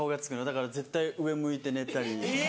だから絶対上向いて寝たり。